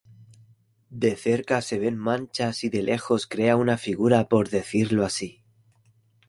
De cerca se ven manchas y de lejos crea una figura por decirlo así.